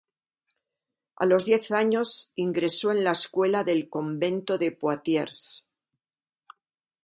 A los diez años, ingresó en la escuela del convento de Poitiers.